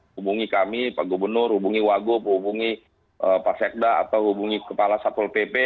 hubungi kami pak gubernur hubungi wagub hubungi pak sekda atau hubungi kepala satpol pp